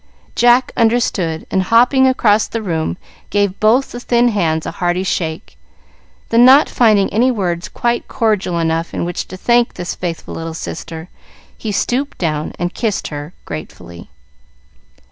Jack understood, and, hopping across the room, gave both the thin hands a hearty shake; then, not finding any words quite cordial enough in which to thank this faithful little sister, he stooped down and kissed her gratefully.